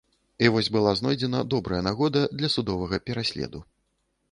І вось была знойдзена добрая нагода для судовага пераследу.